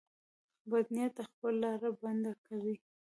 بد نیت خپله لار بنده کوي.